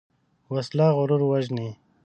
وسله غرور وژني